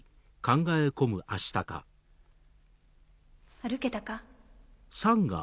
歩けたか？